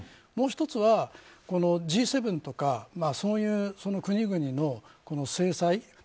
もう１つは、Ｇ７とかそういう国々の制裁。